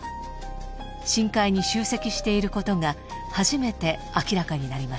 深海に集積していることが初めて明らかになりました。